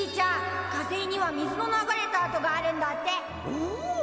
おお！